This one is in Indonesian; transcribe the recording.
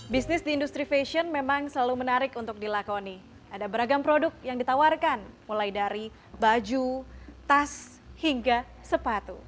bisnis di industri fashion memang selalu menarik untuk dilakoni ada beragam produk yang ditawarkan mulai dari baju tas hingga sepatu